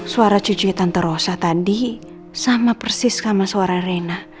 suara cucunya tante rosa tadi sama persis sama suara reina